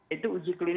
untuk menilai keamanan